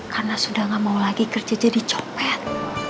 karena sudah gak mau lagi kerja jadi copet